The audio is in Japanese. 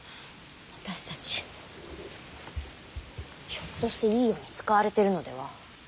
私たちひょっとしていいように使われてるのでは？